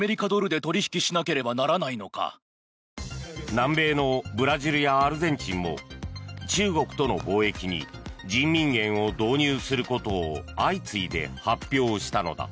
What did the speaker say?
南米のブラジルやアルゼンチンも中国との貿易に人民元を導入することを相次いで発表したのだ。